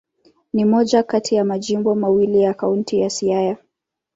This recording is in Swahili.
Ni moja kati ya majimbo mawili ya Kaunti ya Siaya.